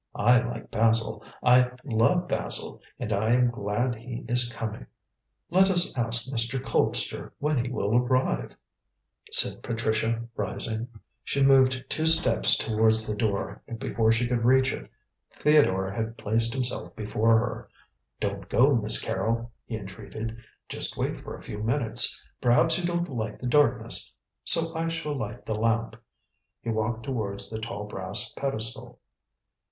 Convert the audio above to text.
I like Basil; I love Basil, and I am glad he is coming." "Let us ask Mr. Colpster when he will arrive," said Patricia, rising. She moved two steps towards the door, but before she could reach it, Theodore had placed himself before her. "Don't go, Miss Carrol," he entreated, "just wait for a few minutes. Perhaps you don't like the darkness, so I shall light the lamp." He walked towards the tall brass pedestal.